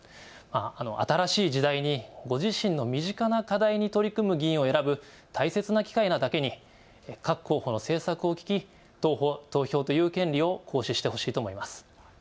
新しい時代にご自身の身近な課題に取り組む議員を選ぶ大切な機会だけに各候補の政策を聞き、投票という権利を行使してほしいと思います。